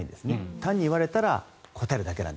単に言われたら答えるだけ。